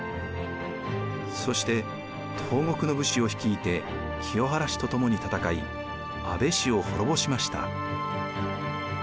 そして東国の武士を率いて清原氏と共に戦い安倍氏を滅ぼしました。